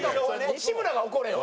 西村が怒れよ！